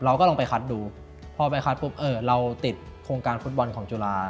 เราก็ลองไปคัดดูพอไปคัดปุ๊บเออเราติดโครงการฟุตบอลของจุฬา